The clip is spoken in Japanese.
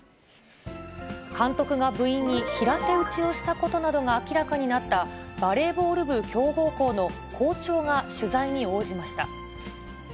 監督が部員に平手打ちをしたことなどが明らかになった、バレーボール部強豪校の校長が取材に応じました。